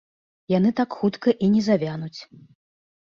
Яны так хутка і не завянуць.